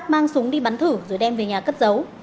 mang súng đi bắn thử rồi đem về nhà cất giấu